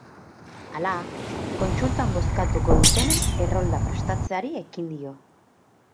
Hala, kontsultan bozkatuko dutenen errolda prestatzeari ekin dio.